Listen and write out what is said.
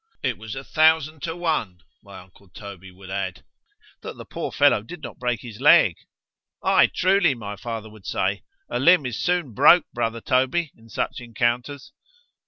—It was a thousand to one, my uncle Toby would add, that the poor fellow did not break his leg.——Ay truly, my father would say——a limb is soon broke, brother Toby, in such encounters.